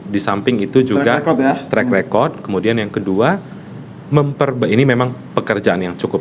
di samping itu juga track record kemudian yang kedua ini memang pekerjaan yang cukup